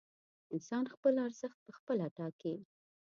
انسان خپل ارزښت پخپله ټاکي.